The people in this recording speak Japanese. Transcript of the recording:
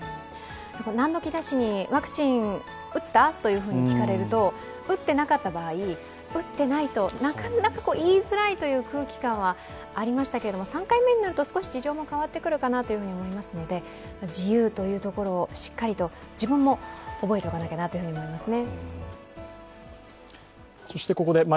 なんの気なしにワクチン打った？と聞かれると打ってなかった場合、打ってないとなかなか言いづらいという空気感がありましたけれども、ありましたが、３回目になると少し事情も変わってくると思いますので、自由というところを自分も覚えておかなきゃなと思いますね。